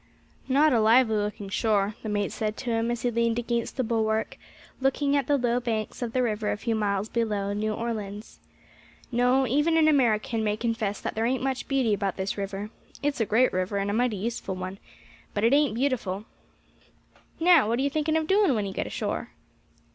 "Not a lively looking shore," the mate said to him as he leaned against the bulwark, looking at the low banks of the river a few miles below New Orleans. "No, even an American may confess that there ain't much beauty about this river. It's a great river, and a mighty useful one, but it ain't beautiful. Now, what are you thinking of doing when you get ashore?"